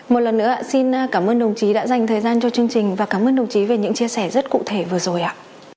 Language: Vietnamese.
một lần nữa xin cảm ơn đồng chí đã dành thời gian cho chương trình và cảm ơn đồng chí về những chia sẻ rất cụ thể vừa rồi ạ